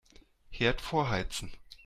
Herd vorheizen.